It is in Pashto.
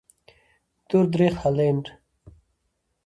دور درېخت هالنډ.